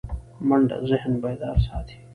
منډه ذهن بیدار ساتي